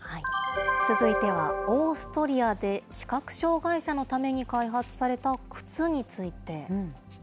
続いてはオーストリアで、視覚障害者のために開発された靴について。